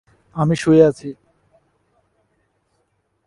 তার অনেকগুলো ছবিই এই আন্দোলনকে বেগবান করেছে।